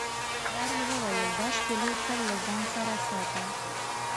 پلار یې وویل دا شپیلۍ تل له ځان سره ساته.